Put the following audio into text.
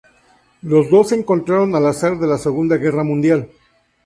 Los dos se encontraron al azar de la Segunda Guerra Mundial.